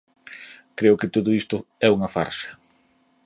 Creo que todo isto é unha farsa.